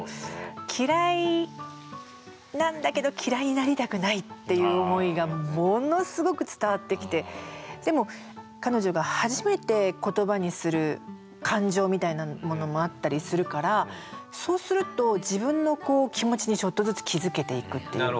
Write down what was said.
嫌いなんだけど嫌いになりたくないっていう思いがものすごく伝わってきてでも彼女が初めて言葉にする感情みたいなものもあったりするからそうすると自分のこう気持ちにちょっとずつ気付けていくっていうか。